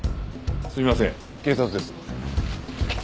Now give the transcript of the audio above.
すみません警察です。